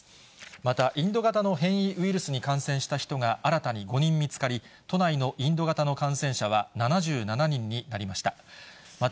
またインド型の変異ウイルスに感染した人が新たに５人見つかり、都内のインド型の感染者は７７人になりました。